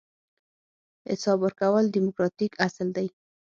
حساب ورکول دیموکراتیک اصل دی.